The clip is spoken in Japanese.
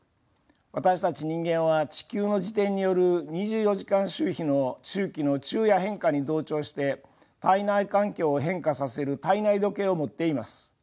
私たち人間は地球の自転による２４時間周期の昼夜変化に同調して体内環境を変化させる体内時計を持っています。